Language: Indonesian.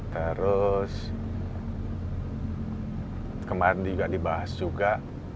terus kemarin juga dibahas juga